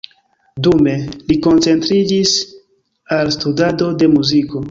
Dume, li koncentriĝis al studado de muziko.